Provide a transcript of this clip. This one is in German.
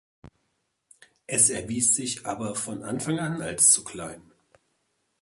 Es erwies sich aber von Anfang an als zu klein.